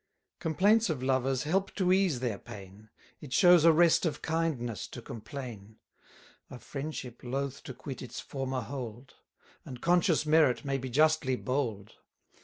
Complaints of lovers help to ease their pain; It shows a rest of kindness to complain; A friendship loath to quit its former hold; And conscious merit may be justly bold.